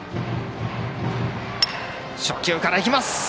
初球からいきます。